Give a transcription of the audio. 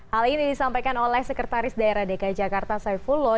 hal ini disampaikan oleh sekretaris daerah dki jakarta saifullah